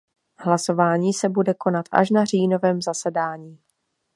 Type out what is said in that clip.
Hlasování se bude konat až na říjnovém zasedání.